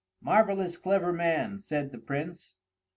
"Marvellous clever man!" said the Prince.